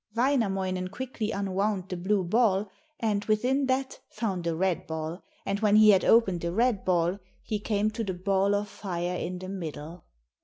Wainamoinen quickly unwound the blue ball, and within that found a red ball, and when he had opened the red ball he came to the ball of fire in the middle.